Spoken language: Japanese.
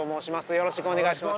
よろしくお願いします。